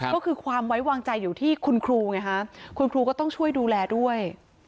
ก็คือความไว้วางใจอยู่ที่คุณครูไงฮะคุณครูก็ต้องช่วยดูแลด้วย